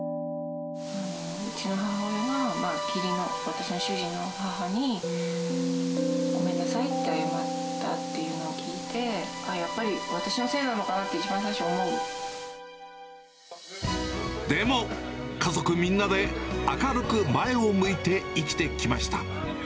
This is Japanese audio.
うちの母親が義理の、私の主人の母に、ごめんなさいって謝ったっていうのを聞いて、ああやっぱり私のせでも、家族みんなで明るく前を向いて生きてきました。